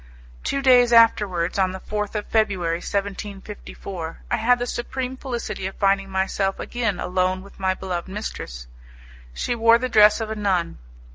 Two days afterwards, on the 4th of February, 1754, I had the supreme felicity of finding myself again alone with my beloved mistress. She wore the dress of a nun.